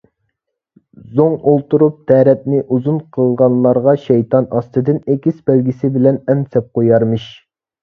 زوڭ ئولتۇرۇپ تەرەتنى ئۇزۇن قىلغانلارغا شەيتان ئاستىدىن ئېكىس بەلگىسى بىلەن ئەن سەپ قويارمىش.